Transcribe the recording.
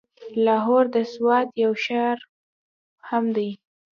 لاهور د سوات يو ښار هم دی.